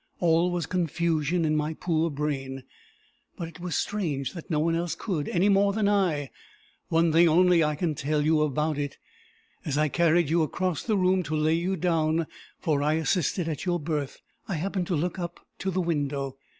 All was confusion in my poor brain. But it was strange that no one else could, any more than I. One thing only I can tell you about it. As I carried you across the room to lay you down, for I assisted at your birth, I happened to look up to the window.